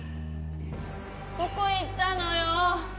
どこ行ったのよ。